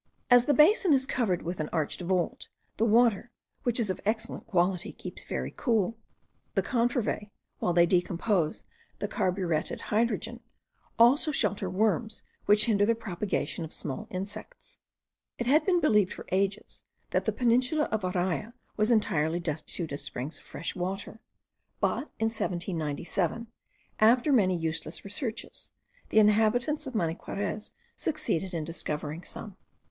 As the basin is covered with an arched vault, the water, which is of excellent quality, keeps very cool: the confervae, while they decompose the carburetted hydrogen, also shelter worms which hinder the propagation of small insects. It had been believed for ages, that the peninsula of Araya was entirely destitute of springs of fresh water; but in 1797, after many useless researches, the inhabitants of Maniquarez succeeded in discovering some.